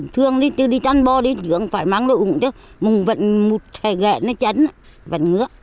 thường đi chăn bò đi chứ không phải mắng được ủng chứ mùng vẫn một thầy ghẹn nó chấn vẫn ngứa